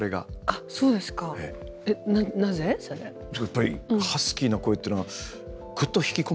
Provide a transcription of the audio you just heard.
やっぱりハスキーな声っていうのはぐっと引き込まれる感じが。